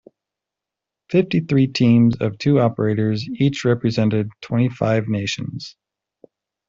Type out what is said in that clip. Fifty-three teams of two operators each represented twenty-five nations.